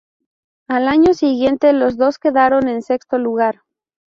Al año siguiente, los dos quedaron en sexto lugar.